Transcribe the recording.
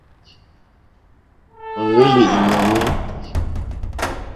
Ó hwélì ìnɔ̀ní.